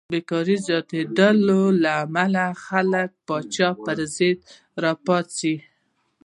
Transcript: بېکارۍ د زیاتېدو له امله خلک پاچا پرضد راپاڅي.